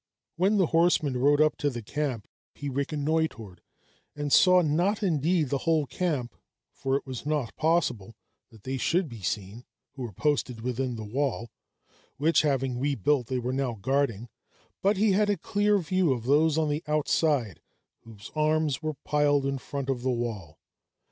When the horseman rode up to the camp, he reconnoitred, and saw not indeed the whole camp, for it was not possible that they should be seen who were posted within the wall, which having rebuilt they were now guarding; but he had a clear view of those on the outside, whose arms were piled in front of the wall.